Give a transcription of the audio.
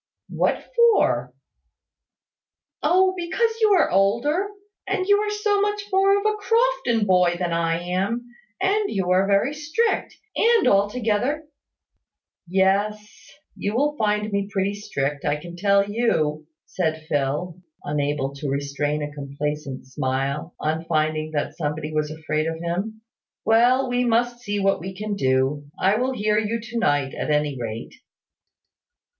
"What for?" "Oh, because you are older; and you are so much more of a Crofton boy than I am and you are very strict and altogether " "Yes, you will find me pretty strict, I can tell you," said Phil, unable to restrain a complacent smile on finding that somebody was afraid of him. "Well, we must see what we can do. I will hear you to night, at any rate."